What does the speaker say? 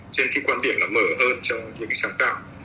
trên khi quan điểm là mở hơn cho những sản tạo